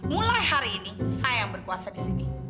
mulai hari ini saya yang berkuasa di sini